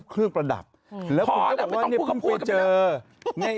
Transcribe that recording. กูพิมพ์ว่าอะไร